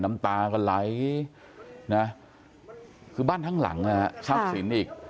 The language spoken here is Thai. น้ำตาก็ไหลนะคือบ้านทั้งหลังนะฮะทรัพย์สินอีก